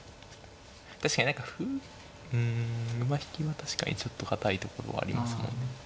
確かに何か歩うん馬引きは確かにちょっと堅いところありますもんね。